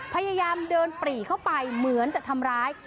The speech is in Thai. พยายามเดินปรีเข้าไปเหมือนจะทำร้าย